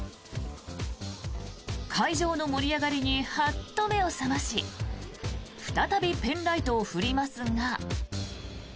会場の盛り上がりにハッと目を覚まし再びペンライトを振りますが。